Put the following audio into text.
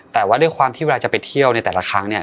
แต่ว่าด้วยความที่เวลาจะไปเที่ยวในแต่ละครั้งเนี่ย